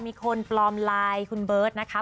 มีคนปลอมไลน์คุณเบิร์ตนะคะ